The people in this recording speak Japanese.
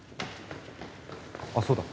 あっそうだ。